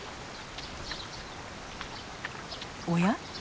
おや？